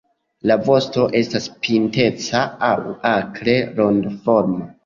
La vosto estas pinteca aŭ akre rondoforma.